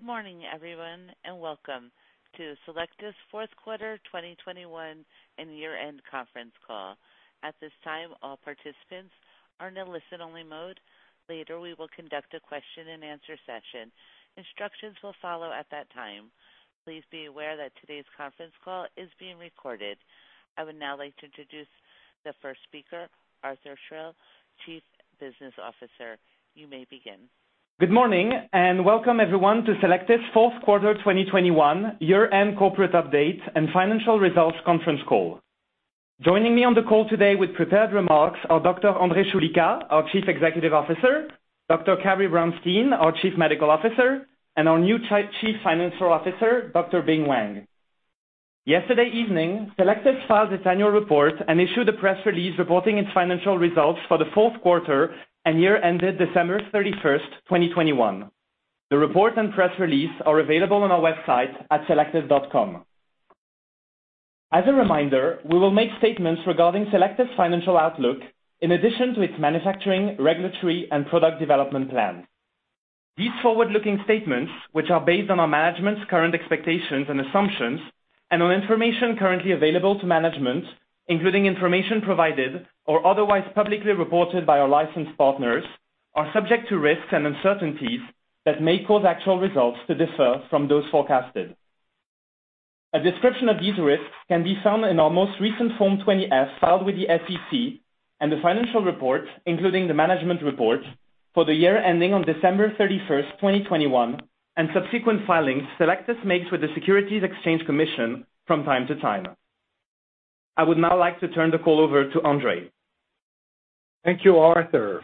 Good morning, everyone, and welcome to Cellectis fourth quarter 2021 and year-end conference call. At this time, all participants are in a listen-only mode. Later, we will conduct a question-and-answer session. Instructions will follow at that time. Please be aware that today's conference call is being recorded. I would now like to introduce the first speaker, Arthur Stril, Chief Business Officer. You may begin. Good morning and welcome everyone to Cellectis fourth quarter 2021 year-end corporate update and financial results conference call. Joining me on the call today with prepared remarks are Dr. André Choulika, our Chief Executive Officer, Dr. Carrie Brownstein, our Chief Medical Officer, and our new Chief Financial Officer, Dr. Bing Wang. Yesterday evening, Cellectis filed its annual report and issued a press release reporting its financial results for the fourth quarter and year ended December 31st, 2021. The report and press release are available on our website at cellectis.com. As a reminder, we will make statements regarding Cellectis financial outlook in addition to its manufacturing, regulatory, and product development plans. These forward-looking statements, which are based on our management's current expectations and assumptions and on information currently available to management, including information provided or otherwise publicly reported by our licensed partners, are subject to risks and uncertainties that may cause actual results to differ from those forecasted. A description of these risks can be found in our most recent Form 20-F filed with the SEC and the financial report, including the management report for the year ending on December 31, 2021, and subsequent filings Cellectis makes with the Securities and Exchange Commission from time to time. I would now like to turn the call over to André Choulika. Thank you, Arthur.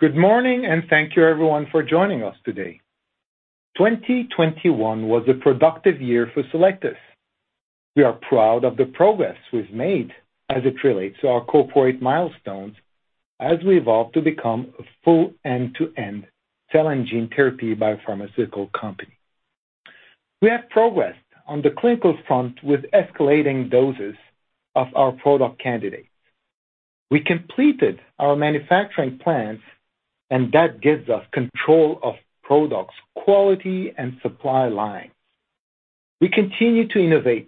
Good morning and thank you everyone for joining us today. 2021 was a productive year for Cellectis. We are proud of the progress we've made as it relates to our corporate milestones as we evolve to become a full end-to-end cell and gene therapy biopharmaceutical company. We have progressed on the clinical front with escalating doses of our product candidates. We completed our manufacturing plans and that gives us control of products, quality, and supply lines. We continue to innovate.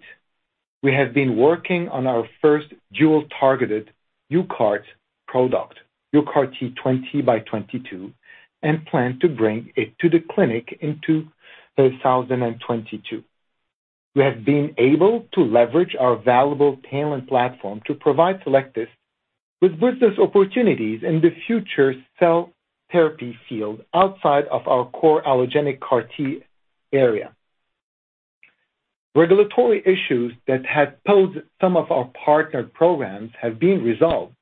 We have been working on our first dual-targeted UCART product, UCART20x22, and plan to bring it to the clinic in 2022. We have been able to leverage our valuable TALEN platform to provide Cellectis with business opportunities in the future cell therapy field outside of our core allogeneic CAR T area. Regulatory issues that had posed some of our partner programs have been resolved.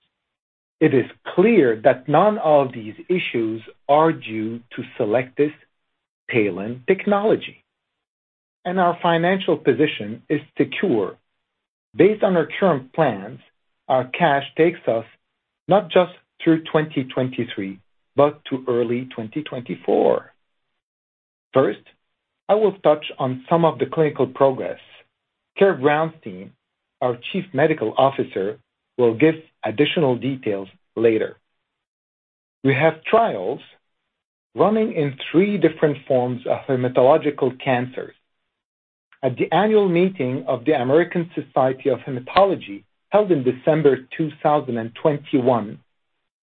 It is clear that none of these issues are due to Cellectis TALEN technology. Our financial position is secure. Based on our current plans, our cash takes us not just through 2023, but to early 2024. First, I will touch on some of the clinical progress. Carrie Brownstein, our Chief Medical Officer, will give additional details later. We have trials running in three different forms of hematological cancers. At the annual meeting of the American Society of Hematology, held in December 2021,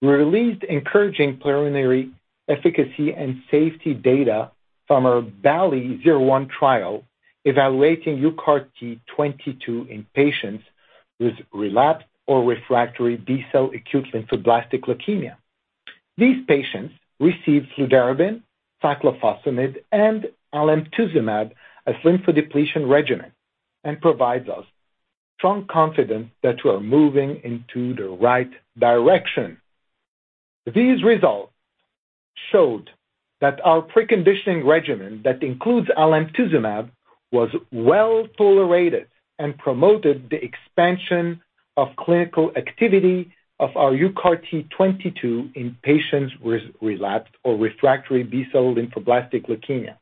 we released encouraging preliminary efficacy and safety data from our BALLI-01 trial evaluating UCART22 in patients with relapsed or refractory B-cell acute lymphoblastic leukemia. These patients received fludarabine, cyclophosphamide, and alemtuzumab as lymphodepletion regimen and provides us strong confidence that we are moving into the right direction. These results showed that our preconditioning regimen that includes alemtuzumab was well tolerated and promoted the expansion of clinical activity of our UCART22 in patients with relapsed or refractory B-cell lymphoblastic leukemia.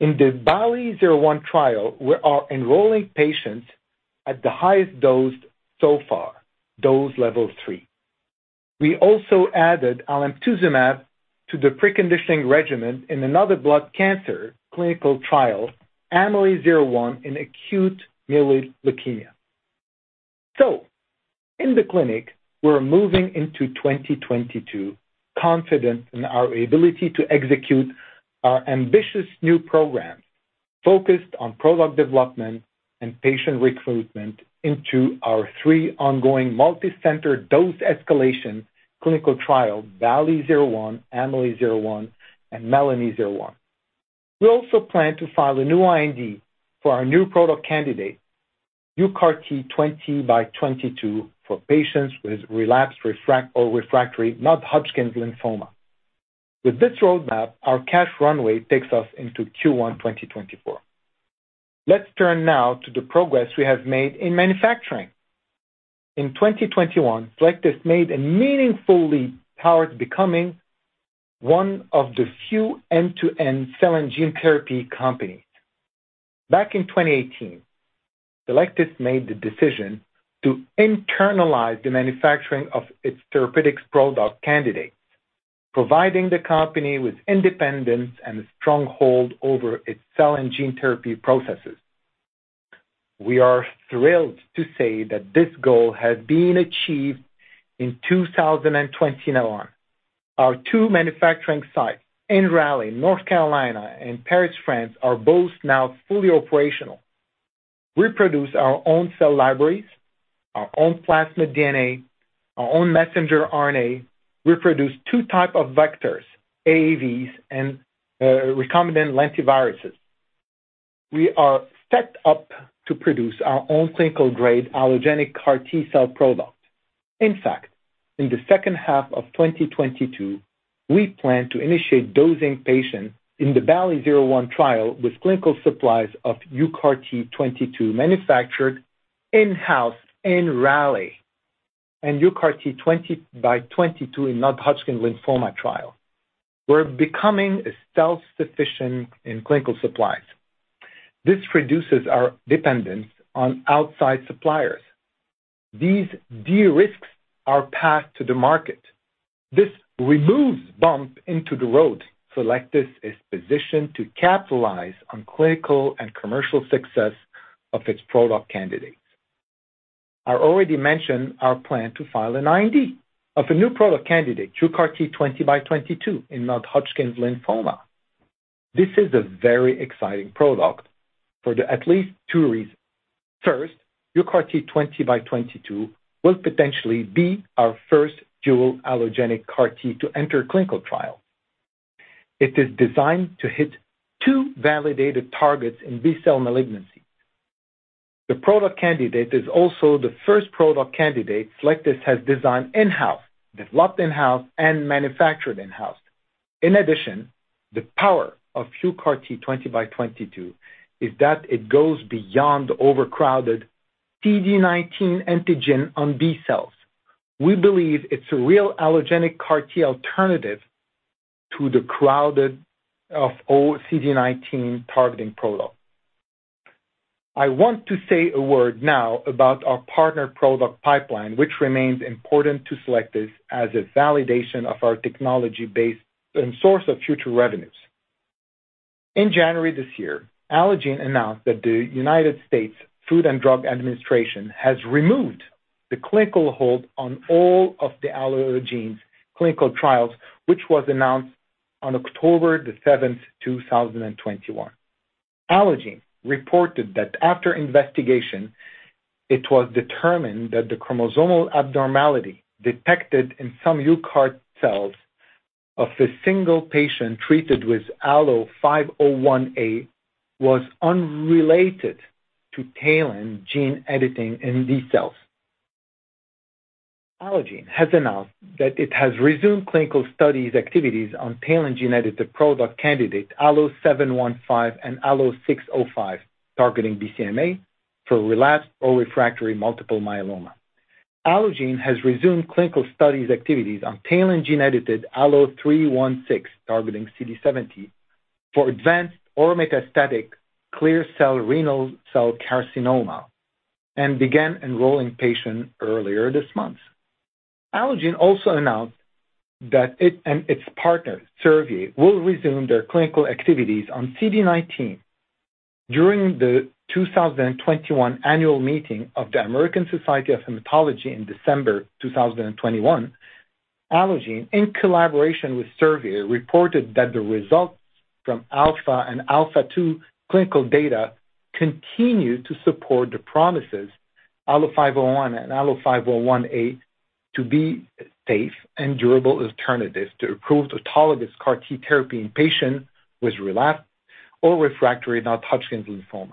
Currently, in the BALLI-01 trial, we are enrolling patients at the highest dose so far, dose level 3. We also added alemtuzumab to the preconditioning regimen in another blood cancer clinical trial, AMELI-01 in acute myeloid leukemia. In the clinic, we're moving into 2022, confident in our ability to execute our ambitious new program focused on product development and patient recruitment into our three ongoing multicenter dose escalation clinical trial, BALLI-01, AMELI-01, and MELANI-01. We also plan to file a new IND for our new product candidate, UCART20x22, for patients with relapsed or refractory Non-Hodgkin's lymphoma. With this roadmap, our cash runway takes us into Q1 2024. Let's turn now to the progress we have made in manufacturing. In 2021, Cellectis made a meaningful leap towards becoming one of the few end-to-end cell and gene therapy companies. Back in 2018, Cellectis made the decision to internalize the manufacturing of its therapeutic product candidates, providing the company with independence and a stronghold over its cell and gene therapy processes. We are thrilled to say that this goal has been achieved in 2021. Our two manufacturing sites in Raleigh, North Carolina, and Paris, France, are both now fully operational. We produce our own cell libraries, our own plasmid DNA, our own messenger RNA. We produce two types of vectors, AAVs and recombinant lentiviruses. We are set up to produce our own clinical-grade allogeneic CAR T-cell product. In fact, in the second half of 2022, we plan to initiate dosing patients in the BALLI-01 trial with clinical supplies of UCART22 manufactured in-house in Raleigh and UCART20x22 in Non-Hodgkin's lymphoma trial. We are becoming self-sufficient in clinical supplies. This reduces our dependence on outside suppliers. This de-risks our path to the market. This removes bumps in the road. Cellectis is positioned to capitalize on clinical and commercial success of its product candidates. I already mentioned our plan to file an IND for a new product candidate, UCART20x22 in Non-Hodgkin's lymphoma. This is a very exciting product for at least two reasons. First, UCART20x22 will potentially be our first dual allogeneic CAR T to enter clinical trial. It is designed to hit two validated targets in B-cell malignancy. The product candidate is also the first product candidate Cellectis has designed in-house, developed in-house, and manufactured in-house. In addition, the power of UCART20x22 is that it goes beyond the overcrowded CD19 antigen on B cells. We believe it's a real allogeneic CAR T alternative to the crowded old CD19-targeting product. I want to say a word now about our partner product pipeline, which remains important to Cellectis as a validation of our technology base and source of future revenues. In January this year, Allogene announced that the United States Food and Drug Administration has removed the clinical hold on all of Allogene's clinical trials, which was announced on October 7th, 2021. Allogene reported that after investigation, it was determined that the chromosomal abnormality detected in some UCART cells of a single patient treated with ALLO-501A was unrelated to TALEN gene editing in these cells. Allogene has announced that it has resumed clinical studies activities on TALEN gene-edited product candidate ALLO-715 and ALLO-605, targeting BCMA for relapsed or refractory multiple myeloma. Allogene has resumed clinical studies activities on TALEN gene-edited ALLO-316, targeting CD70, for advanced or metastatic clear cell renal cell carcinoma and began enrolling patients earlier this month. Allogene also announced that it and its partner, Servier, will resume their clinical activities on CD19. During the 2021 annual meeting of the American Society of Hematology in December 2021, Allogene, in collaboration with Servier, reported that the results from ALPHA and ALPHA2 clinical data continue to support the promises ALLO-501 and ALLO-501A to be safe and durable alternatives to approved autologous CAR T therapy in patients with relapsed or refractory Non-Hodgkin's lymphoma.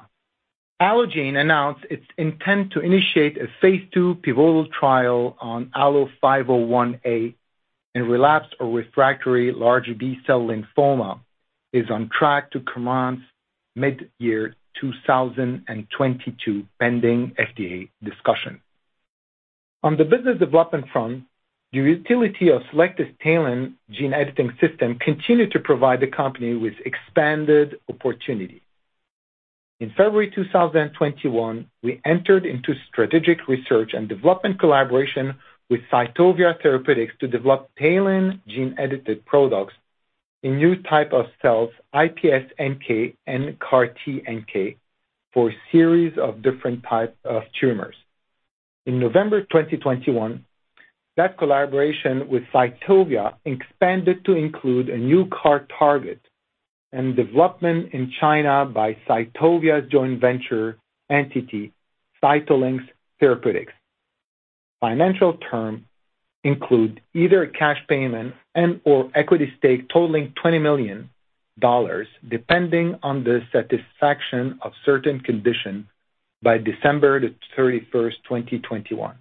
Allogene announced its intent to initiate a phase II pivotal trial on ALLO-501A in relapsed or refractory large B-cell lymphoma is on track to commence mid-2022, pending FDA discussion. On the business development front, the utility of Cellectis' TALEN gene editing system continued to provide the company with expanded opportunity. In February 2021, we entered into strategic research and development collaboration with Cytovia Therapeutics to develop TALEN gene-edited products in new type of cells, iPSC-NK and CAR-NK, for a series of different type of tumors. In November 2021, that collaboration with Cytovia expanded to include a new CAR target and development in China by Cytovia's joint venture entity, CytoLynx Therapeutics. Financial terms include either a cash payment and/or equity stake totaling $20 million, depending on the satisfaction of certain conditions by December 31st, 2021.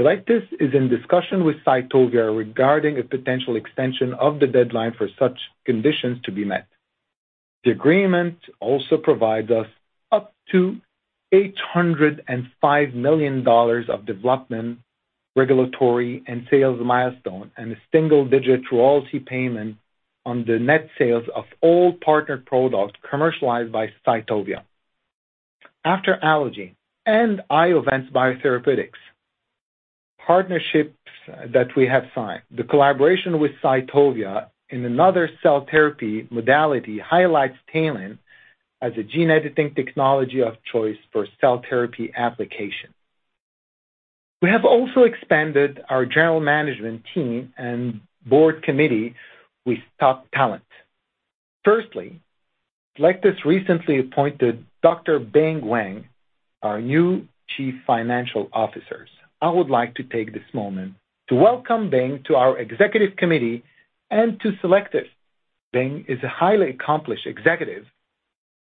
Cellectis is in discussion with Cytovia regarding a potential extension of the deadline for such conditions to be met. The agreement also provides us up to $805 million of development, regulatory, and sales milestone, and a single-digit royalty payment on the net sales of all partnered products commercialized by Cytovia. After Allogene and Iovance Biotherapeutics partnerships that we have signed, the collaboration with Cytovia in another cell therapy modality highlights TALEN as a gene editing technology of choice for cell therapy application. We have also expanded our general management team and board committee with top talent. Firstly, Cellectis recently appointed Dr. Bing Wang, our new Chief Financial Officer. I would like to take this moment to welcome Bing to our executive committee and to Cellectis. Bing is a highly accomplished executive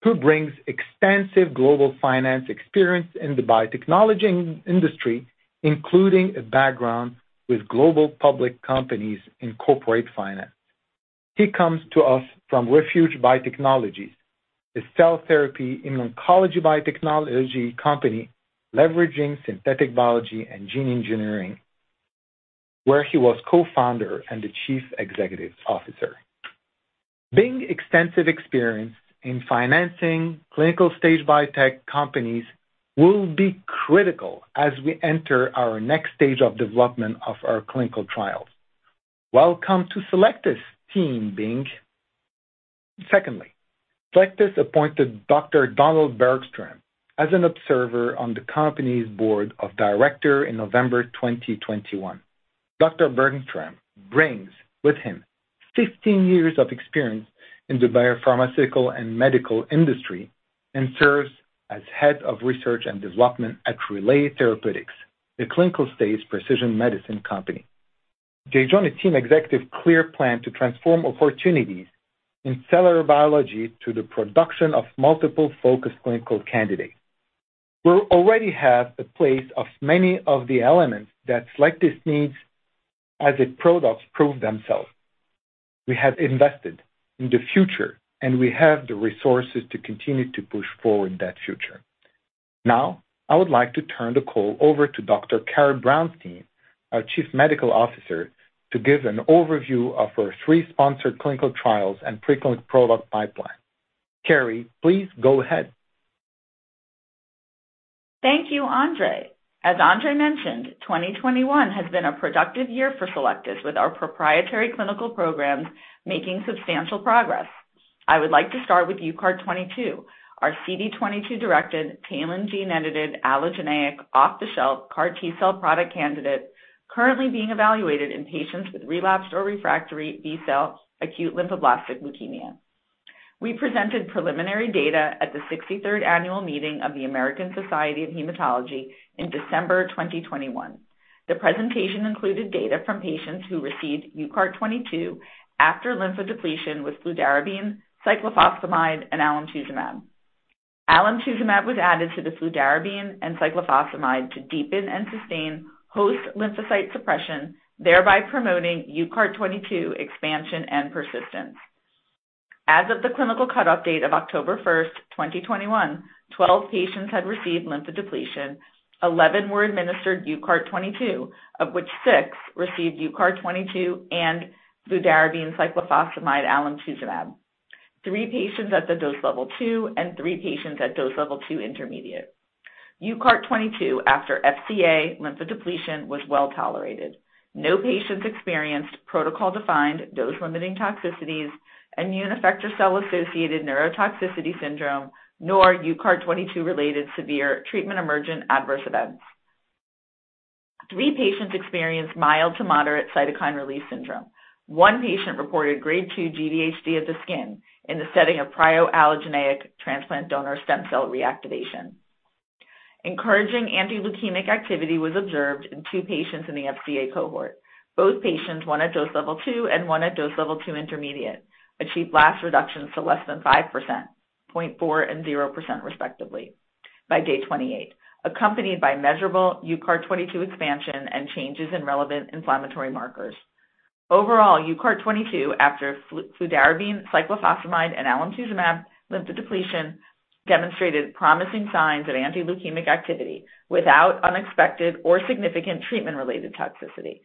who brings extensive global finance experience in the biotechnology industry, including a background with global public companies in corporate finance. He comes to us from Refuge Biotechnologies, a cell therapy in oncology biotechnology company leveraging synthetic biology and gene engineering, where he was co-founder and the Chief Executive Officer. Bing's extensive experience in financing clinical-stage biotech companies will be critical as we enter our next stage of development of our clinical trials. Welcome to Cellectis team, Bing. Secondly, Cellectis appointed Dr. Donald Bergstrom as an observer on the company's board of directors in November 2021. Dr. Bergstrom brings with him 15 years of experience in the biopharmaceutical and medical industry and serves as Head of Research and Development at Relay Therapeutics, a clinical-stage precision medicine company. They join a team executing a clear plan to transform opportunities in cellular biology to the production of multiple focused clinical candidates. We already have in place many of the elements that Cellectis needs as its products prove themselves. We have invested in the future, and we have the resources to continue to push forward that future. Now, I would like to turn the call over to Dr. Carrie Brownstein, our Chief Medical Officer, to give an overview of our three sponsored clinical trials and preclinical product pipeline. Carrie, please go ahead. Thank you, Andre. As Andre mentioned, 2021 has been a productive year for Cellectis, with our proprietary clinical programs making substantial progress. I would like to start with UCART22, our CD22 directed TALEN gene-edited allogeneic off-the-shelf CAR T-cell product candidate currently being evaluated in patients with relapsed or refractory B-cell acute lymphoblastic leukemia. We presented preliminary data at the 63rd annual meeting of the American Society of Hematology in December 2021. The presentation included data from patients who received UCART22 after lymphodepletion with fludarabine, cyclophosphamide, and alemtuzumab. Alemtuzumab was added to the fludarabine and cyclophosphamide to deepen and sustain host lymphocyte suppression, thereby promoting UCART22 expansion and persistence. As of the clinical cut-off date of October 1st, 2021, 12 patients had received lymphodepletion. Eleven were administered UCART22, of which six received UCART22 and fludarabine cyclophosphamide alemtuzumab. Three patients at dose level 2 and three patients at dose level 2 intermediate, UCART22 after FCA lymphodepletion was well-tolerated. No patients experienced protocol-defined dose-limiting toxicities, immune effector cell-associated neurotoxicity syndrome, nor UCART22-related severe treatment-emergent adverse events. Three patients experienced mild to moderate cytokine release syndrome. One patient reported grade 2 GVHD of the skin in the setting of prior allogeneic transplant donor stem cell reactivation. Encouraging anti-leukemic activity was observed in two patients in the FCA cohort. Both patients, one at dose level 2 and one at dose level 2 intermediate, achieved blast reductions to less than 5%, 0.4% and 0% respectively by day 28, accompanied by measurable UCART22 expansion and changes in relevant inflammatory markers. Overall, UCART22 after fludarabine, cyclophosphamide, and alemtuzumab lymphodepletion demonstrated promising signs of anti-leukemic activity without unexpected or significant treatment-related toxicity.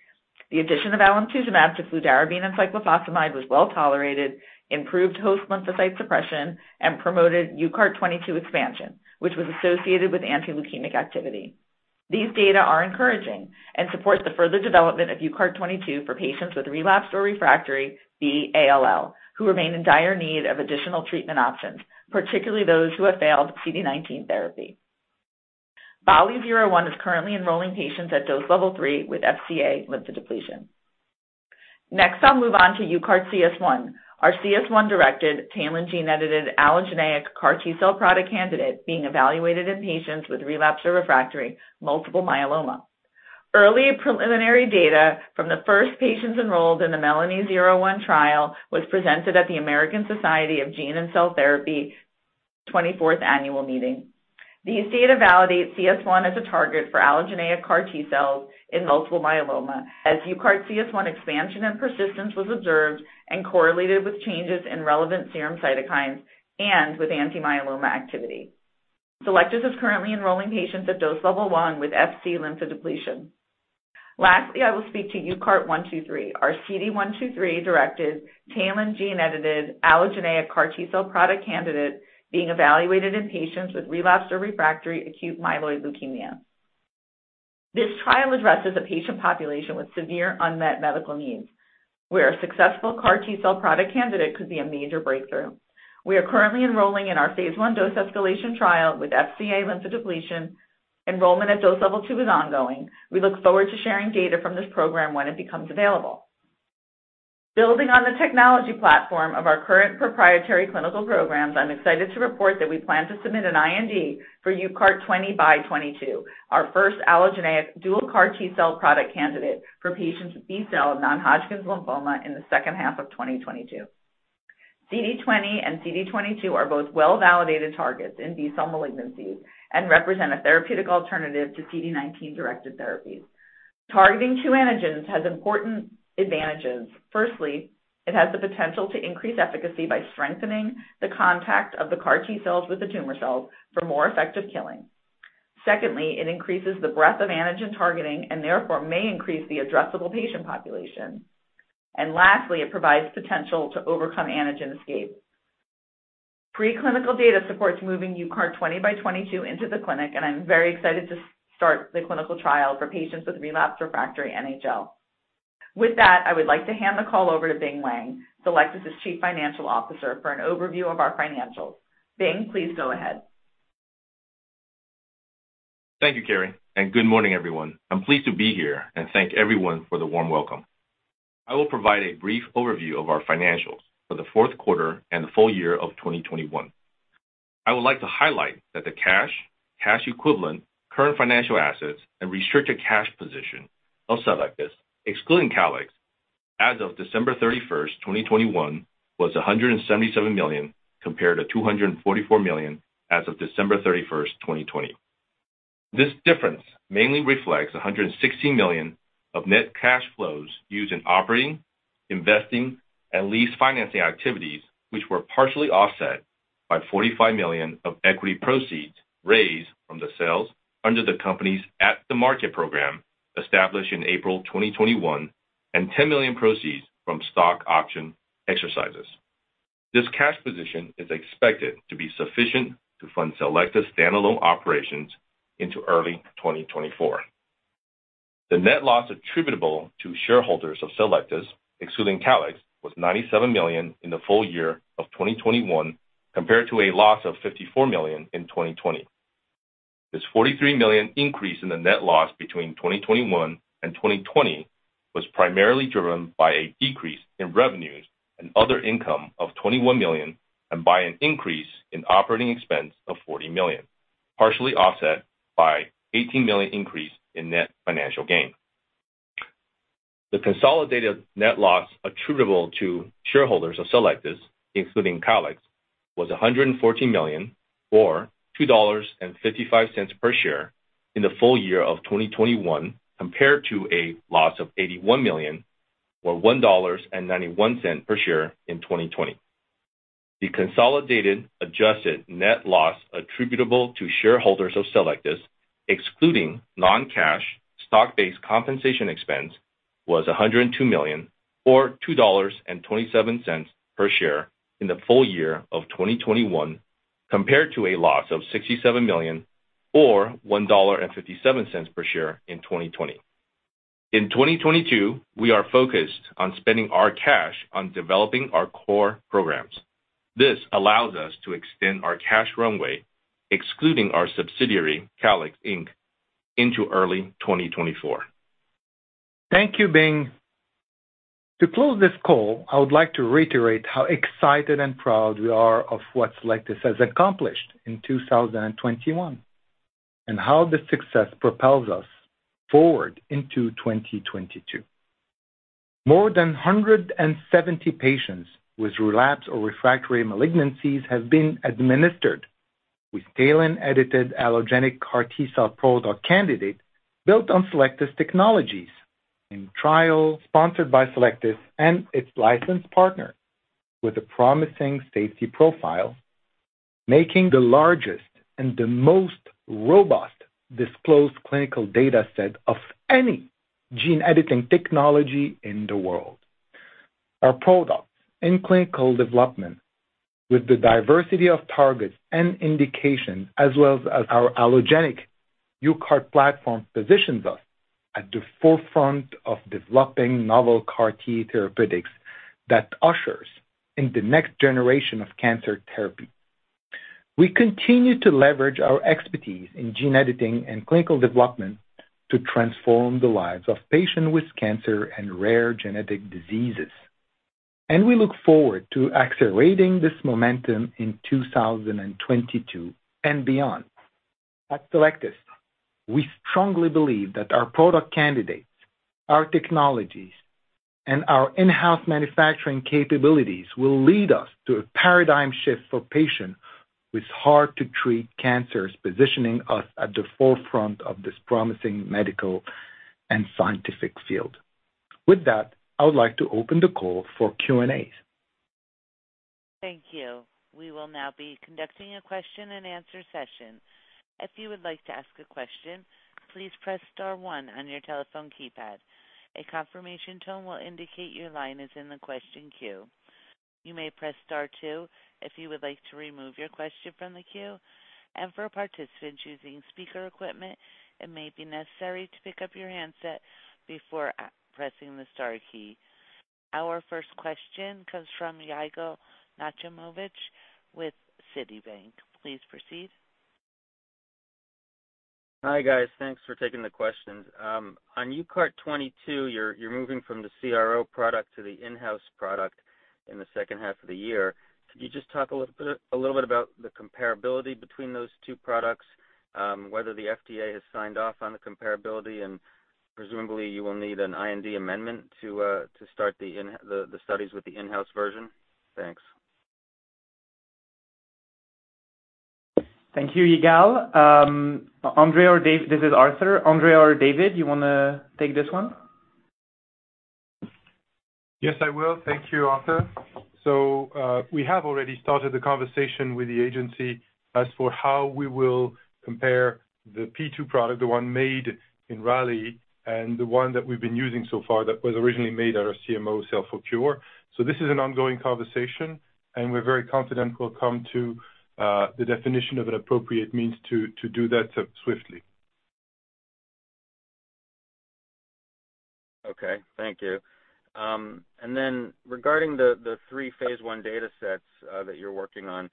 The addition of alemtuzumab to fludarabine and cyclophosphamide was well-tolerated, improved host lymphocyte suppression, and promoted UCART22 expansion, which was associated with anti-leukemic activity. These data are encouraging and support the further development of UCART22 for patients with relapsed or refractory B-ALL who remain in dire need of additional treatment options, particularly those who have failed CD19 therapy. BALLI-01 is currently enrolling patients at dose level three with FCA lymphodepletion. Next, I'll move on to UCARTCS1, our CS1-directed TALEN gene-edited allogeneic CAR T-cell product candidate being evaluated in patients with relapsed or refractory multiple myeloma. Early preliminary data from the first patients enrolled in the MELANI-01 trial was presented at the American Society of Gene and Cell Therapy 24th annual meeting. These data validate CS1 as a target for allogeneic CAR T-cells in multiple myeloma as UCARTCS1 expansion and persistence was observed and correlated with changes in relevant serum cytokines and with anti-myeloma activity. Cellectis is currently enrolling patients at dose level one with FC lymphodepletion. Lastly, I will speak to UCART123, our CD123 targeting TALEN gene-edited allogeneic CAR T-cell product candidate being evaluated in patients with relapsed or refractory acute myeloid leukemia. This trial addresses a patient population with severe unmet medical needs, where a successful CAR T-cell product candidate could be a major breakthrough. We are currently enrolling in our phase I dose escalation trial with FCA lymphodepletion. Enrollment at dose level two is ongoing. We look forward to sharing data from this program when it becomes available. Building on the technology platform of our current proprietary clinical programs, I'm excited to report that we plan to submit an IND for UCART20x22, our first allogeneic dual CAR T-cell product candidate for patients with B-cell Non-Hodgkin's lymphoma in the second half of 2022. CD20 and CD22 are both well-validated targets in B-cell malignancies and represent a therapeutic alternative to CD19-directed therapies. Targeting two antigens has important advantages. Firstly, it has the potential to increase efficacy by strengthening the contact of the CAR T cells with the tumor cells for more effective killing. Secondly, it increases the breadth of antigen targeting and therefore may increase the addressable patient population. Lastly, it provides potential to overcome antigen escape. Preclinical data supports moving UCART20x22 into the clinic, and I'm very excited to start the clinical trial for patients with relapsed refractory NHL. With that, I would like to hand the call over to Bing Wang, Cellectis's Chief Financial Officer, for an overview of our financials. Bing, please go ahead. Thank you, Carrie, and good morning, everyone. I'm pleased to be here and thank everyone for the warm welcome. I will provide a brief overview of our financials for the fourth quarter and the full year of 2021. I would like to highlight that the cash equivalent, current financial assets, and restricted cash position of Cellectis, excluding Calyxt, as of December 31, 2021, was 177 million, compared to 244 million as of December 31, 2020. This difference mainly reflects 160 million of net cash flows used in operating, investing, and lease financing activities, which were partially offset by 45 million of equity proceeds raised from the sales under the company's at-the-market program established in April 2021 and 10 million proceeds from stock option exercises. This cash position is expected to be sufficient to fund Cellectis standalone operations into early 2024. The net loss attributable to shareholders of Cellectis, excluding Calyxt, was 97 million in the full year of 2021 compared to a loss of 54 million in 2020. This 43 million increase in the net loss between 2021 and 2020 was primarily driven by a decrease in revenues and other income of 21 million and by an increase in operating expense of 40 million, partially offset by 18 million increase in net financial gain. The consolidated net loss attributable to shareholders of Cellectis, including Calyxt, was 114 million or $2.55 per share in the full year of 2021 compared to a loss of 81 million or $1.91 per share in 2020. The consolidated adjusted net loss attributable to shareholders of Cellectis, excluding non-cash stock-based compensation expense, was $102 million or $2.27 per share in the full year of 2021 compared to a loss of $67 million or $1.57 per share in 2020. In 2022, we are focused on spending our cash on developing our core programs. This allows us to extend our cash runway, excluding our subsidiary, Calyxt, Inc., into early 2024. Thank you, Bing. To close this call, I would like to reiterate how excited and proud we are of what Cellectis has accomplished in 2021, and how this success propels us forward into 2022. More than 170 patients with relapsed or refractory malignancies have been administered with TALEN-edited allogeneic CAR T-cell product candidate built on Cellectis technologies in trial sponsored by Cellectis and its licensed partner with a promising safety profile, making the largest and the most robust disclosed clinical data set of any gene editing technology in the world. Our products in clinical development with the diversity of targets and indications, as well as our allogeneic UCART platform, positions us at the forefront of developing novel CAR T therapeutics that ushers in the next generation of cancer therapy. We continue to leverage our expertise in gene editing and clinical development to transform the lives of patients with cancer and rare genetic diseases. We look forward to accelerating this momentum in 2022 and beyond. At Cellectis, we strongly believe that our product candidates, our technologies, and our in-house manufacturing capabilities will lead us to a paradigm shift for patients with hard-to-treat cancers, positioning us at the forefront of this promising medical and scientific field. With that, I would like to open the call for Q&A. Thank you. We will now be conducting a question-and-answer session. If you would like to ask a question, please press star one on your telephone keypad. A confirmation tone will indicate your line is in the question queue. You may press star two if you would like to remove your question from the queue. For participants using speaker equipment, it may be necessary to pick up your handset before pressing the star key. Our first question comes from Yigal Nochomovitz with Citibank. Please proceed. Hi, guys. Thanks for taking the questions. On UCART22, you're moving from the CRO product to the in-house product in the second half of the year. Could you just talk a little bit about the comparability between those two products, whether the FDA has signed off on the comparability, and presumably you will need an IND amendment to start the in the studies with the in-house version? Thanks. Thank you, Yigal. This is Arthur. André or David, you wanna take this one? Yes, I will. Thank you, Arthur. We have already started the conversation with the agency as for how we will compare the P2 product, the one made in Raleigh, and the one that we've been using so far that was originally made at our CMO CELLforCURE. This is an ongoing conversation, and we're very confident we'll come to the definition of an appropriate means to do that swiftly. Okay, thank you. Regarding the three phase I datasets that you're working on,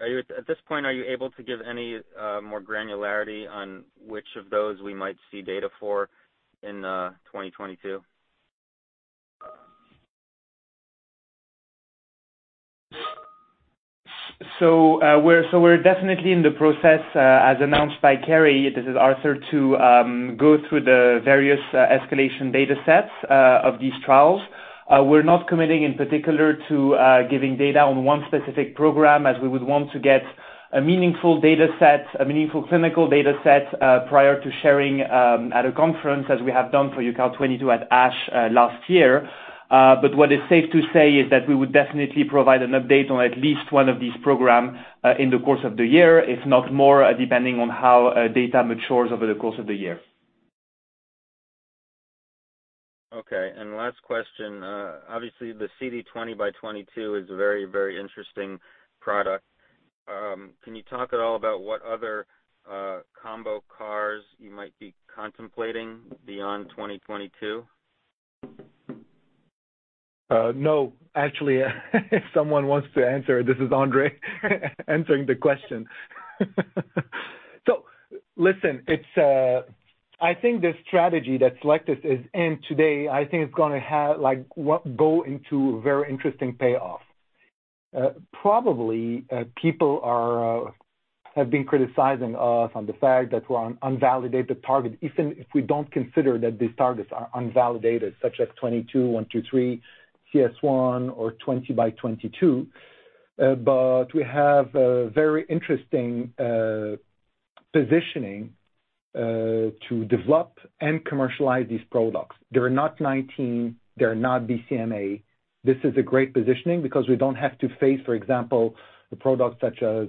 are you at this point able to give any more granularity on which of those we might see data for in 2022? We're definitely in the process, as announced by Carrie. This is Arthur to go through the various escalation datasets of these trials. We're not committing in particular to giving data on one specific program as we would want to get a meaningful dataset, a meaningful clinical dataset prior to sharing at a conference as we have done for UCART22 at ASH last year. What is safe to say is that we would definitely provide an update on at least one of these programs in the course of the year, if not more, depending on how data matures over the course of the year. Okay. Last question. Obviously, the UCART20x22 is a very, very interesting product. Can you talk at all about what other combo CARs you might be contemplating beyond UCART20x22? No. Actually, if someone wants to answer, this is André Choulika answering the question. Listen, I think the strategy that Cellectis is in today, I think it's gonna go into very interesting payoff. Probably, people have been criticizing us on the fact that we're on unvalidated target, even if we don't consider that these targets are unvalidated, such as 22, 123, CS1, or 20x22. But we have a very interesting positioning to develop and commercialize these products. They're not 19, they're not BCMA. This is a great positioning because we don't have to face, for example, the products such as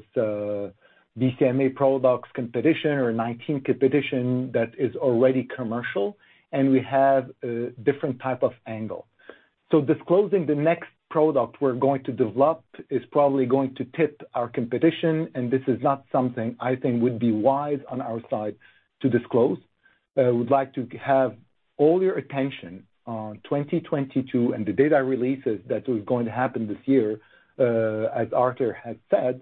BCMA products competition or 19 competition that is already commercial, and we have a different type of angle. Disclosing the next product we're going to develop is probably going to tip our competition, and this is not something I think would be wise on our side to disclose. Would like to have all your attention on 2022 and the data releases that is going to happen this year, as Arthur had said,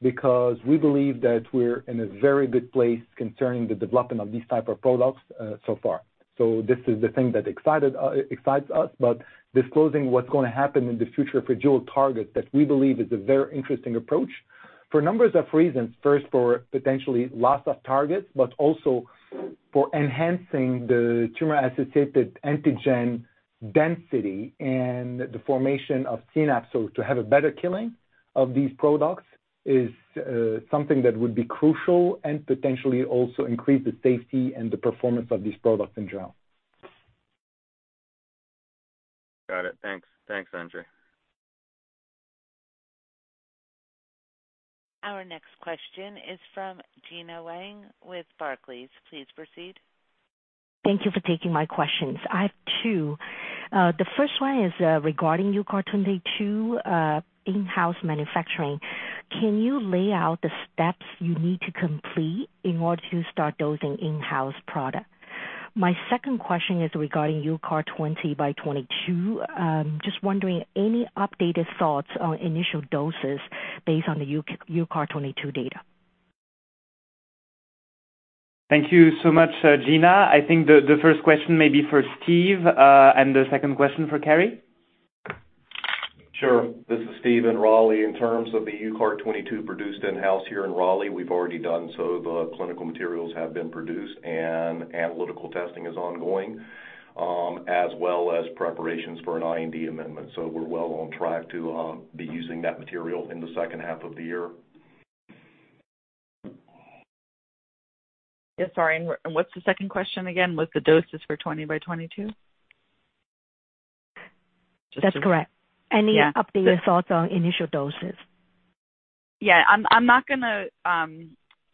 because we believe that we're in a very good place concerning the development of these type of products, so far. This is the thing that excites us, but disclosing what's gonna happen in the future for dual target that we believe is a very interesting approach for numbers of reasons. First, for potentially lots of targets, but also for enhancing the tumor-associated antigen density and the formation of synapse. To have a better killing of these products is something that would be crucial and potentially also increase the safety and the performance of these products in general. Got it. Thanks. Thanks, André. Our next question is from Gena Wang with Barclays. Please proceed. Thank you for taking my questions. I have two. The first one is regarding UCART22 in-house manufacturing. Can you lay out the steps you need to complete in order to start dosing in-house product? My second question is regarding UCART20x22. Just wondering any updated thoughts on initial doses based on the UCART22 data. Thank you so much, Gena. I think the first question may be for Steve, and the second question for Carrie. Sure. This is Steve in Raleigh. In terms of the UCART22 produced in-house here in Raleigh, we've already done so. The clinical materials have been produced and analytical testing is ongoing, as well as preparations for an IND amendment. We're well on track to be using that material in the second half of the year. Yes, sorry. What's the second question again? What is the dose for 20x22? That's correct. Yeah. Any updated thoughts on initial doses? Yeah, I'm not gonna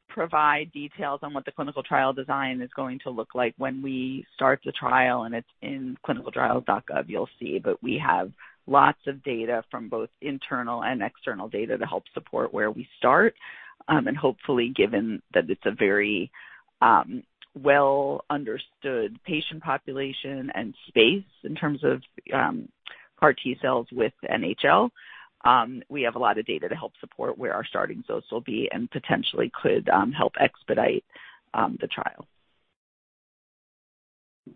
provide details on what the clinical trial design is going to look like when we start the trial, and it's in clinicaltrials.gov, you'll see, but we have lots of data from both internal and external data to help support where we start. Hopefully, given that it's a very well-understood patient population and space in terms of CAR T cells with NHL, we have a lot of data to help support where our starting dose will be and potentially could help expedite the trial.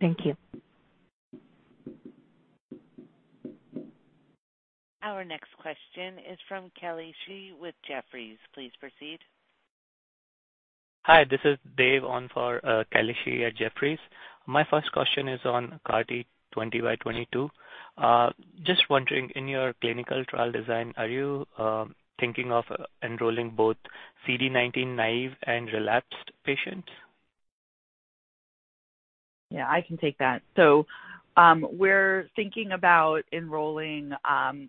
Thank you. Our next question is from Kelly Shi with Jefferies. Please proceed. Hi, this is Dave on for Kelly Shi at Jefferies. My first question is on CAR T 20x22. Just wondering, in your clinical trial design, are you thinking of enrolling both CD19 naive and relapsed patients? Yeah, I can take that. We're thinking about enrolling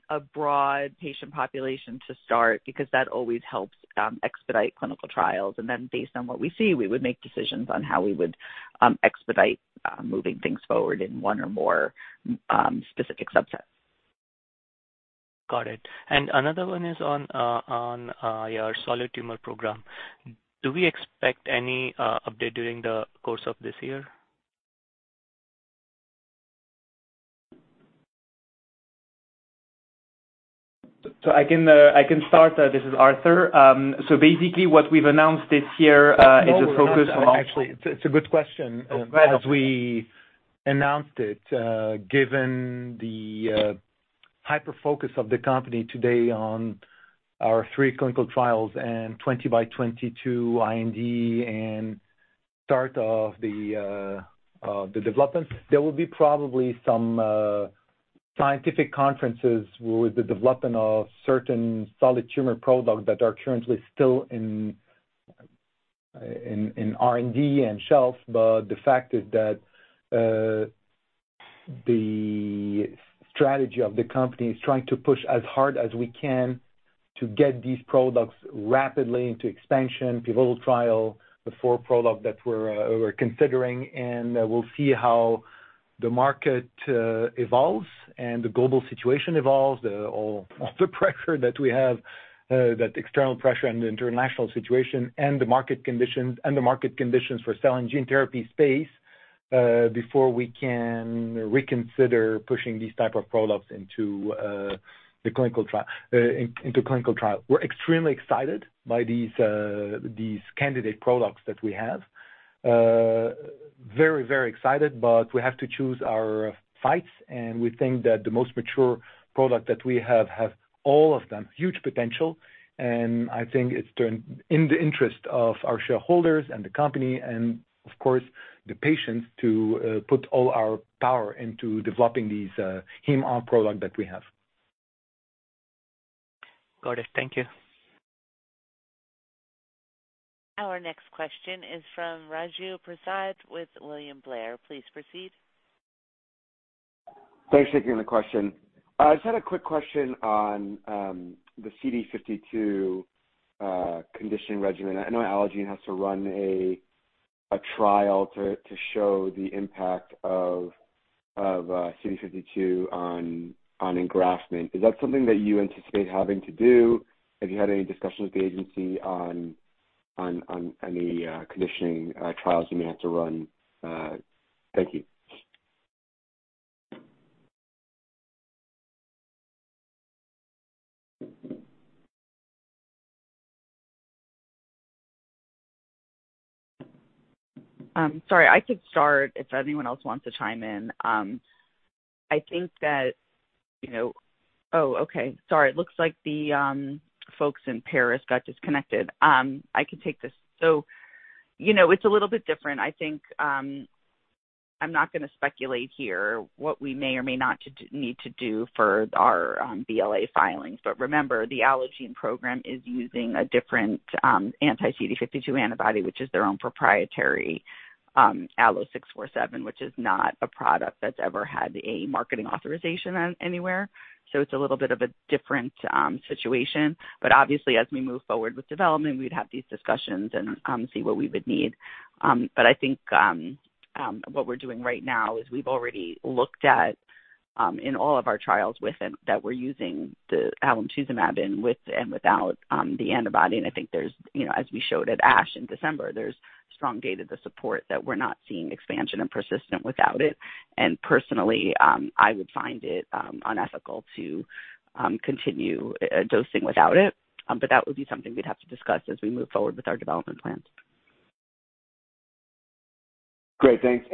a broad patient population to start because that always helps expedite clinical trials. Then based on what we see, we would make decisions on how we would expedite moving things forward in one or more specific subsets. Got it. Another one is on your solid tumor program. Do we expect any update during the course of this year? I can start. This is Arthur. Basically what we've announced this year is a focus on- No, actually, it's a good question. Go ahead. As we announced it, given the hyper-focus of the company today on our three clinical trials and 20 by 2022 IND and start of the development, there will be probably some scientific conferences with the development of certain solid tumor products that are currently still in R&D and shelf. The fact is that the strategy of the company is trying to push as hard as we can to get these products rapidly into expansion pivotal trial, the four products that we're considering. We'll see how the market evolves and the global situation evolves. All the pressure that we have, that external pressure and the international situation and the market conditions, and the market conditions for cell and gene therapy space, before we can reconsider pushing these type of products into clinical trial. We're extremely excited by these candidate products that we have. Very, very excited. We have to choose our fights, and we think that the most mature products that we have all have huge potential. I think it's in the interest of our shareholders and the company and of course the patients to put all our power into developing these hematological products that we have. Got it. Thank you. Our next question is from Raju Prasad with William Blair. Please proceed. Thanks for taking the question. I just had a quick question on the CD52 conditioning regimen. I know Allogene has to run a trial to show the impact of CD52 on engraftment. Is that something that you anticipate having to do? Have you had any discussions with the agency on any conditioning trials you may have to run? Thank you. Sorry, I could start if anyone else wants to chime in. I think that, you know. It looks like the folks in Paris got disconnected. I can take this. You know, it's a little bit different. I think, I'm not gonna speculate here what we need to do for our BLA filings. Remember, the Allogene program is using a different anti-CD52 antibody, which is their own proprietary ALLO-647, which is not a product that's ever had a marketing authorization anywhere. It's a little bit of a different situation. Obviously, as we move forward with development, we'd have these discussions and see what we would need. I think what we're doing right now is we've already looked at in all of our trials, and that we're using the alemtuzumab with and without the antibody. I think there's, you know, as we showed at ASH in December, there's strong data to support that we're not seeing expansion and persistence without it. Personally, I would find it unethical to continue dosing without it. That would be something we'd have to discuss as we move forward with our development plans. Great. Thanks.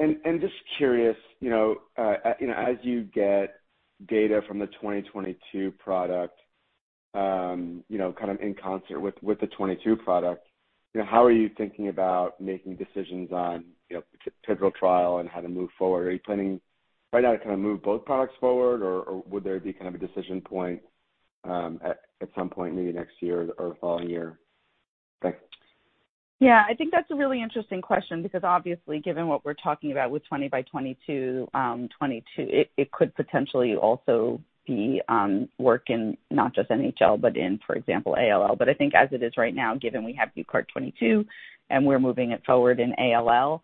Just curious, you know, as you get data from the UCART22 product, you know, kind of in concert with the UCART22 product, you know, how are you thinking about making decisions on, you know, the BALLI-01 trial and how to move forward? Are you planning right now to kind of move both products forward or would there be kind of a decision point? At some point maybe next year or following year. Thanks. Yeah. I think that's a really interesting question because obviously given what we're talking about with UCART20x22, UCART22, it could potentially also work in not just NHL but, for example, ALL. I think as it is right now, given we have UCART22 and we're moving it forward in ALL,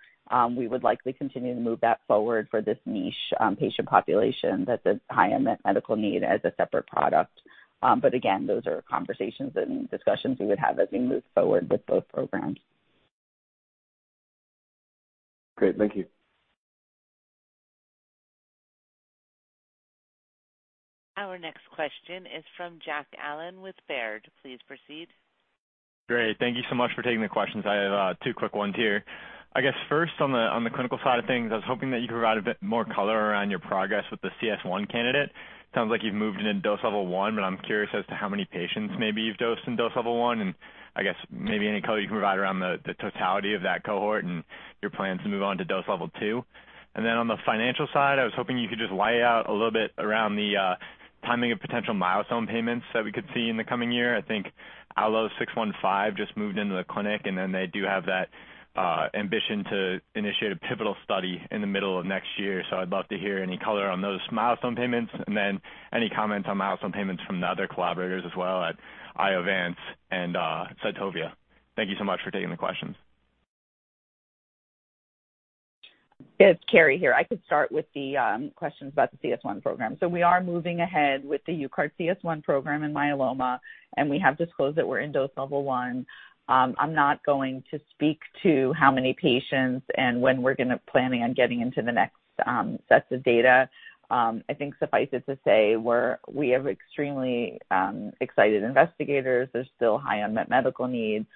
we would likely continue to move that forward for this niche patient population that's a high unmet medical need as a separate product. Again, those are conversations and discussions we would have as we move forward with both programs. Great. Thank you. Our next question is from Jack Allen with Baird. Please proceed. Great. Thank you so much for taking the questions. I have two quick ones here. I guess first on the clinical side of things, I was hoping that you could provide a bit more color around your progress with the CS1 candidate. Sounds like you've moved into dose level 1, but I'm curious as to how many patients maybe you've dosed in dose level 1, and I guess maybe any color you can provide around the totality of that cohort and your plans to move on to dose level 2. On the financial side, I was hoping you could just lay out a little bit around the timing of potential milestone payments that we could see in the coming year. I think ILO six one five just moved into the clinic, and then they do have that ambition to initiate a pivotal study in the middle of next year. I'd love to hear any color on those milestone payments and then any comments on milestone payments from the other collaborators as well at Iovance and Cytovia. Thank you so much for taking the questions. It's Carrie here. I could start with the questions about the CS1 program. We are moving ahead with the UCARTCS1 program in myeloma, and we have disclosed that we're in dose level one. I'm not going to speak to how many patients and when we're planning on getting into the next sets of data. I think suffice it to say we have extremely excited investigators. There's still high unmet medical needs.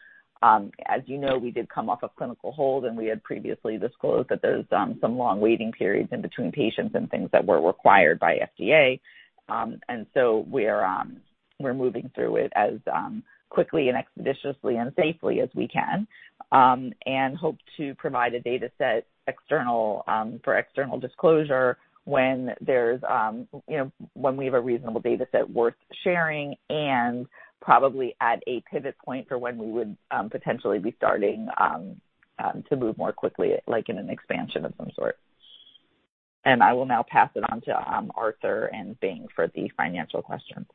As you know, we did come off of clinical hold, and we had previously disclosed that there's some long waiting periods in between patients and things that were required by FDA. We're moving through it as quickly and expeditiously and safely as we can and hope to provide a data set externally for external disclosure when there's you know when we have a reasonable data set worth sharing and probably at a pivot point for when we would potentially be starting to move more quickly like in an expansion of some sort. I will now pass it on to Arthur and Bing for the financial questions.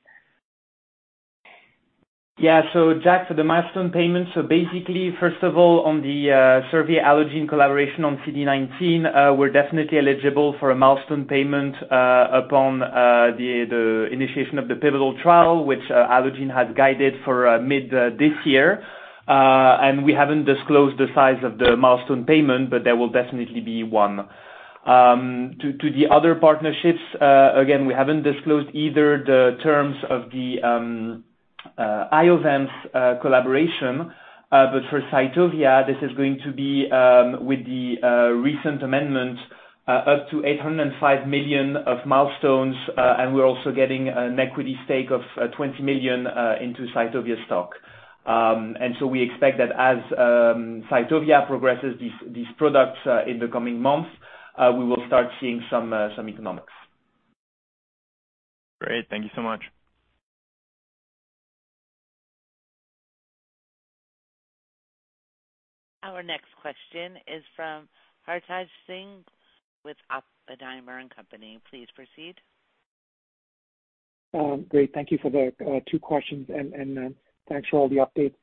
Yeah. Jack, for the milestone payments, basically first of all on the Servier Allogene collaboration on CD19, we're definitely eligible for a milestone payment upon the initiation of the pivotal trial which Allogene has guided for mid this year. We haven't disclosed the size of the milestone payment, but there will definitely be one. To the other partnerships, again, we haven't disclosed either the terms of the Iovance collaboration. But for Cytovia, this is going to be with the recent amendment up to 805 million of milestones, and we're also getting an equity stake of 20 million into Cytovia stock. We expect that as Cytovia progresses these products in the coming months, we will start seeing some economics. Great. Thank you so much. Our next question is from Harshaj Singh with Oppenheimer & Co. Inc. Please proceed. Great. Thank you for the two questions and thanks for all the updates.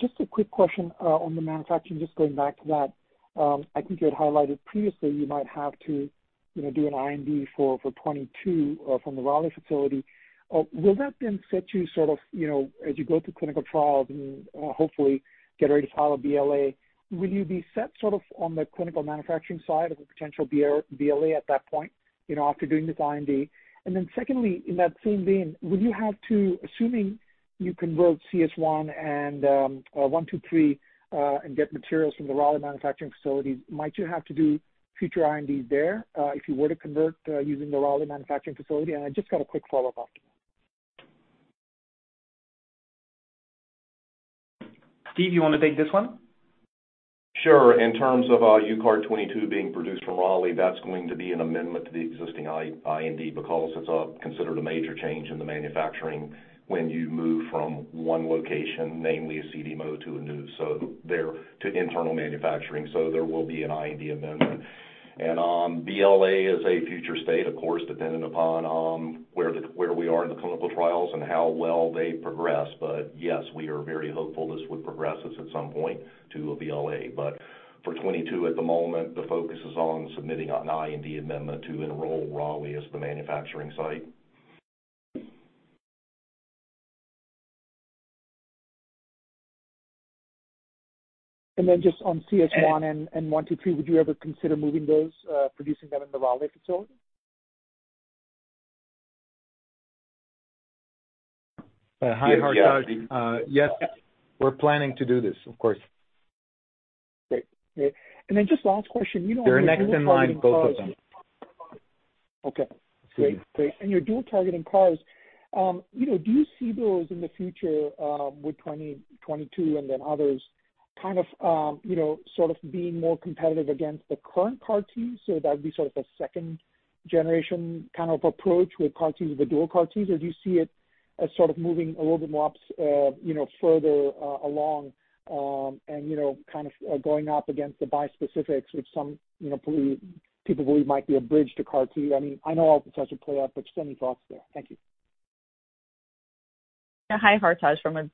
Just a quick question on the manufacturing, just going back to that. I think you had highlighted previously you might have to, you know, do an IND for UCART22 from the Raleigh facility. Will that then set you sort of, you know, as you go through clinical trials and hopefully get ready to file a BLA? Will you be set sort of on the clinical manufacturing side of a potential BLA at that point, you know, after doing this IND? Secondly, in that same vein, would you have to, assuming you convert CS1 and 123, and get materials from the Raleigh manufacturing facility, might you have to do future IND there, if you were to convert, using the Raleigh manufacturing facility? I just got a quick follow-up after that. Steve, you wanna take this one? Sure. In terms of UCART22 being produced from Raleigh, that's going to be an amendment to the existing IND because it's considered a major change in the manufacturing when you move from one location, namely CDMO to Anuv, so there to internal manufacturing. There will be an IND amendment. BLA is a future state, of course, dependent upon where we are in the clinical trials and how well they progress. Yes, we are very hopeful this would progress us at some point to a BLA. For 2022 at the moment, the focus is on submitting an IND amendment to enroll Raleigh as the manufacturing site. Just on CS1 and 123, would you ever consider moving those, producing them in the Raleigh facility? Hi, Harshaj. Yes, we're planning to do this of course. Great. Just last question, you know. They're next in line, both of them. Yeah. Hi, Hartaj. From a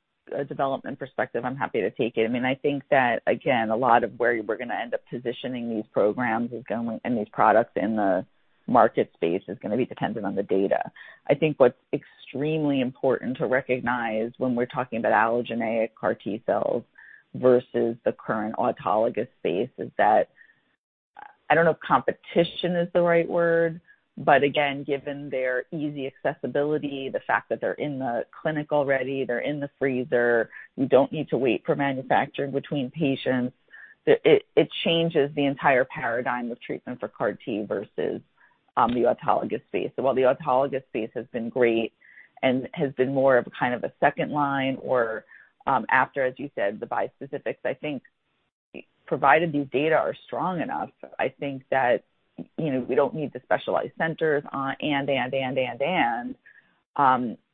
development perspective, I'm happy to take it. I mean, I think that, again, a lot of where we're gonna end up positioning these programs and these products in the market space is gonna be dependent on the data. I think what's extremely important to recognize when we're talking about allogeneic CAR T-cells versus the current autologous space is that I don't know if competition is the right word, but again, given their easy accessibility, the fact that they're in the clinic already, they're in the freezer, you don't need to wait for manufacturing between patients, it changes the entire paradigm of treatment for CAR T versus the autologous space. While the autologous space has been great and has been more of kind of a second line or after, as you said, the bispecifics, I think provided these data are strong enough, I think that, you know, we don't need the specialized centers, and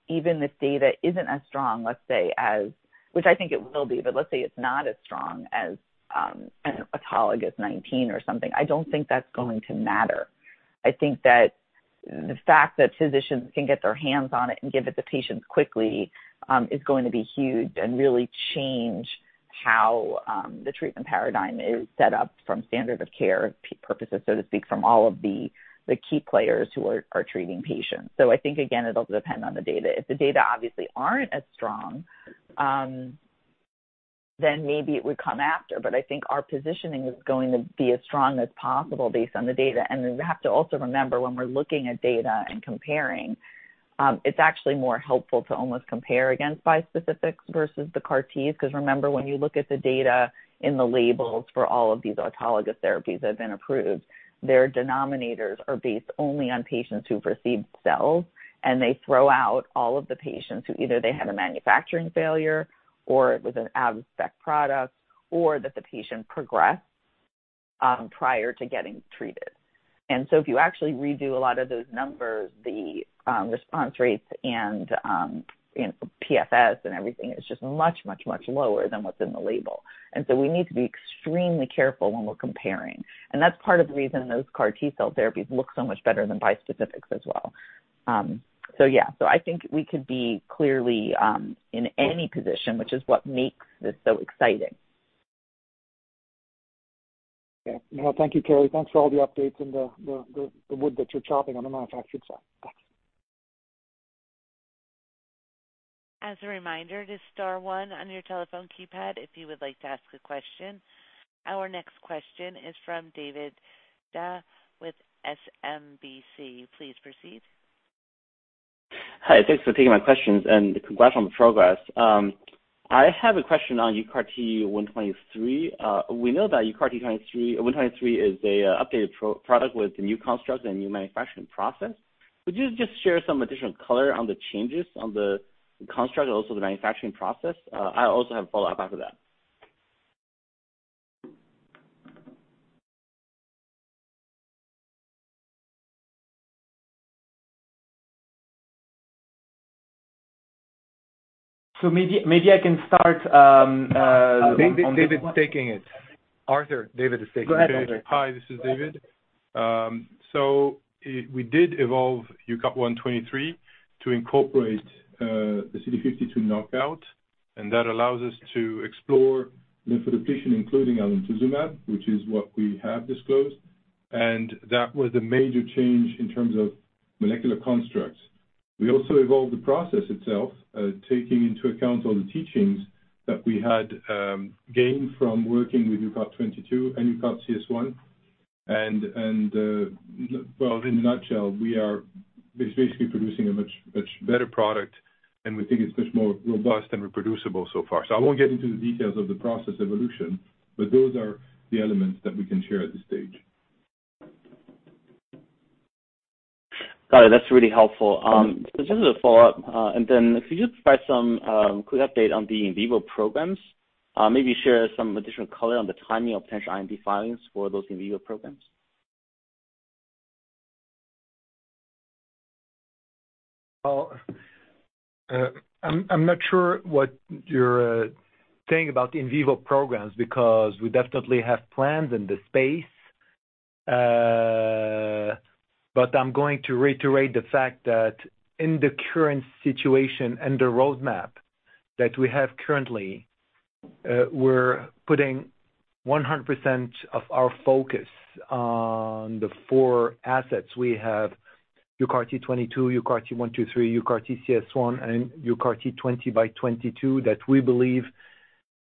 even this data isn't as strong, let's say. Which I think it will be, but let's say it's not as strong as an autologous CD19 or something. I don't think that's going to matter. I think that the fact that physicians can get their hands on it and give it to patients quickly is going to be huge and really change how the treatment paradigm is set up for standard of care purposes, so to speak, from all of the key players who are treating patients. I think again, it'll depend on the data. If the data obviously aren't as strong, then maybe it would come after. I think our positioning is going to be as strong as possible based on the data. We have to also remember when we're looking at data and comparing, it's actually more helpful to almost compare against bispecifics versus the CAR Ts, because remember, when you look at the data in the labels for all of these autologous therapies that have been approved, their denominators are based only on patients who've received cells, and they throw out all of the patients who either they had a manufacturing failure or it was an out of spec product or that the patient progressed, prior to getting treated. If you actually redo a lot of those numbers, the response rates and you know, PFS and everything is just much lower than what's in the label. We need to be extremely careful when we're comparing. That's part of the reason those CAR T-cell therapies look so much better than bispecifics as well. Yeah. I think we could be clearly in any position, which is what makes this so exciting. Okay. Well, thank you, Carrie. Thanks for all the updates and the wood that you're chopping on the manufacturing side. Thanks. As a reminder, press star one on your telephone keypad if you would like to ask a question. Our next question is from David Dai with SMBC. Please proceed. Hi. Thanks for taking my questions, and congrats on the progress. I have a question on UCART123. We know that UCART123, 123 is a updated product with the new construct and new manufacturing process. Could you just share some additional color on the changes on the construct and also the manufacturing process? I also have a follow-up after that. Maybe I can start David's` taking it. Arthur, David is taking it. Go ahead, David. Hi, this is David. We did evolve UCART123 to incorporate the CD52 knockout, and that allows us to explore lymph depletion, including alemtuzumab, which is what we have disclosed. That was a major change in terms of molecular constructs. We also evolved the process itself, taking into account all the teachings that we had gained from working with UCART22 and UCARTCS1. In a nutshell, we are basically producing a much better product, and we think it's much more robust and reproducible so far. I won't get into the details of the process evolution, but those are the elements that we can share at this stage. Got it. That's really helpful. Just as a follow-up, and then could you just provide some quick update on the in vivo programs? Maybe share some additional color on the timing of potential IND filings for those in vivo programs. I'm not sure what you're saying about the in vivo programs because we definitely have plans in this space. I'm going to reiterate the fact that in the current situation and the roadmap that we have currently, we're putting 100% of our focus on the four assets we have, UCART22, UCART123, UCARTCS1, and UCART20x22, that we believe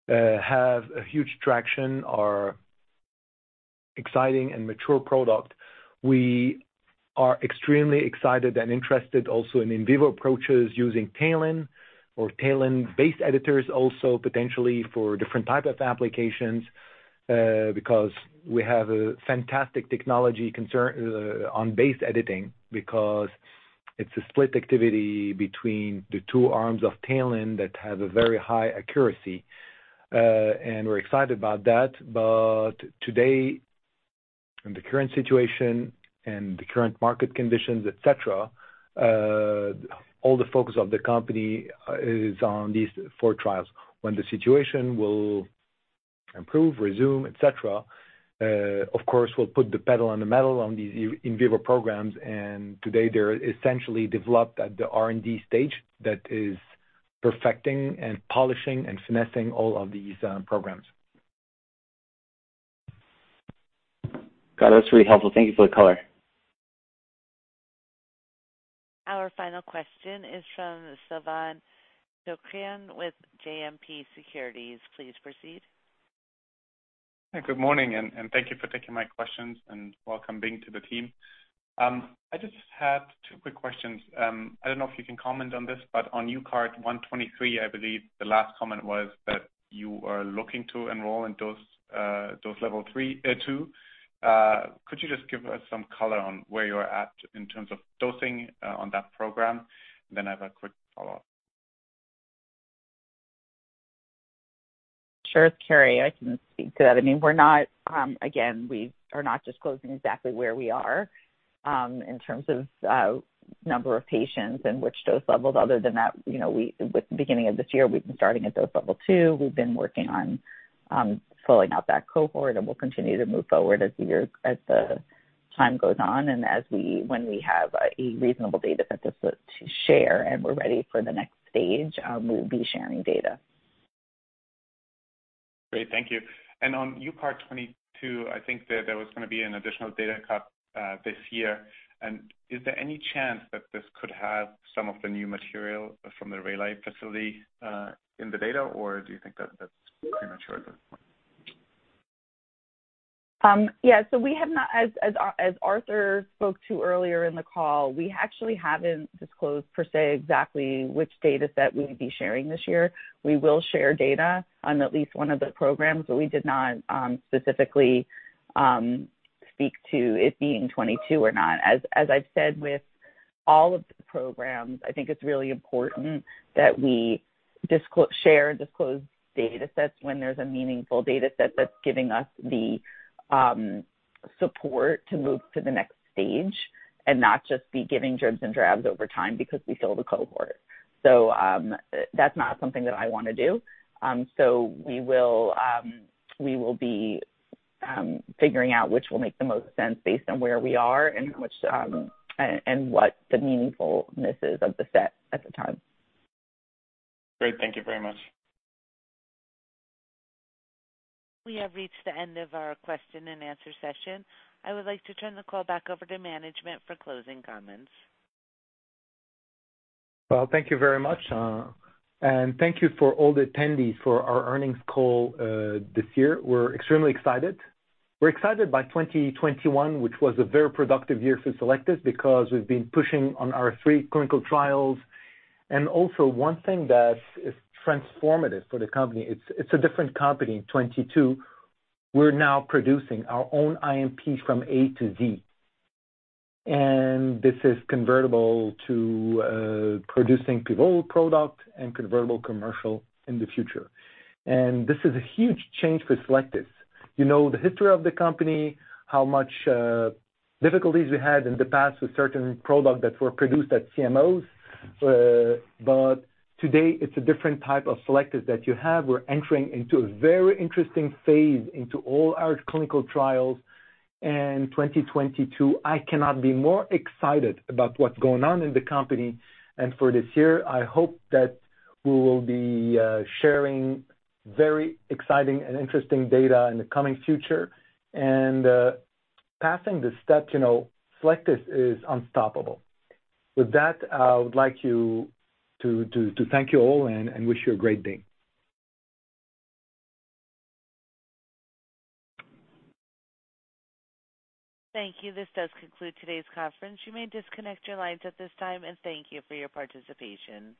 have a huge traction, are exciting and mature product. We are extremely excited and interested also in in vivo approaches using TALEN or TALEN-based editors also potentially for different type of applications, because we have a fantastic technology concerning base editing because it's a split activity between the two arms of TALEN that have a very high accuracy, and we're excited about that. Today, in the current situation and the current market conditions, et cetera, all the focus of the company is on these four trials. When the situation will improve, resume, et cetera, of course, we'll put the pedal on the metal on these in vivo programs. Today they're essentially developed at the R&D stage that is perfecting and polishing and finessing all of these programs. Got it. That's really helpful. Thank you for the color. Our final question is from Silvan Tuerkcan with JMP Securities. Please proceed. Hi, good morning, and thank you for taking my questions and welcome Bing to the team. I just had two quick questions. I don't know if you can comment on this, but on UCART123, I believe the last comment was that you are looking to enroll in those dose level three, two. Could you just give us some color on where you're at in terms of dosing on that program? Then I have a quick follow-up. Sure. It's Carrie. I can speak to that. I mean, we're not again, we are not disclosing exactly where we are in terms of number of patients and which dose levels other than that, you know, with the beginning of this year, we've been starting at dose level two. We've been working on filling out that cohort, and we'll continue to move forward as the year, as the time goes on. When we have a reasonable data set to share and we're ready for the next stage, we'll be sharing data. Great. Thank you. On UCART22, I think that there was gonna be an additional data cut this year. Is there any chance that this could have some of the new material from the Raleigh facility in the data? Or do you think that that's premature at this point? Yeah. We have not... As Arthur spoke to earlier in the call, we actually haven't disclosed per se exactly which data set we'll be sharing this year. We will share data on at least one of the programs, but we did not specifically speak to it being 22 or not. As I've said with all of the programs, I think it's really important that we share disclosed data sets when there's a meaningful data set that's giving us the support to move to the next stage and not just be giving dribs and drabs over time because we filled a cohort. That's not something that I wanna do. We will be figuring out which will make the most sense based on where we are and which and what the meaningfulness is of the set at the time. Great. Thank you very much. We have reached the end of our question-and-answer session. I would like to turn the call back over to management for closing comments. Well, thank you very much. Thank you for all the attendees for our earnings call this year. We're extremely excited. We're excited by 2021, which was a very productive year for Cellectis because we've been pushing on our three clinical trials. Also one thing that is transformative for the company, it's a different company in 2022. We're now producing our own IMPs from A to Z, and this is convertible to producing pivotal product and convertible commercial in the future. This is a huge change for Cellectis. You know the history of the company, how much difficulties we had in the past with certain products that were produced at CMOs. Today it's a different type of Cellectis that you have. We're entering into a very interesting phase into all our clinical trials. 2022, I cannot be more excited about what's going on in the company. For this year, I hope that we will be sharing very exciting and interesting data in the coming future and passing the steps, you know, Cellectis is unstoppable. With that, I would like to thank you all and wish you a great day. Thank you. This does conclude today's conference. You may disconnect your lines at this time and thank you for your participation.